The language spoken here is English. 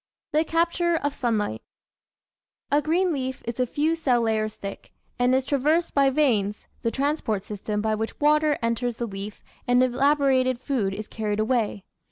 The Capture of Sunlight A green leaf is a few cell layers thick, and is traversed by veins, the transport system by which water enters the leaf and elaborated food is carried away.